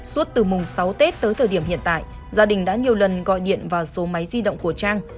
suốt từ mùng sáu tết tới thời điểm hiện tại gia đình đã nhiều lần gọi điện vào số máy di động của trang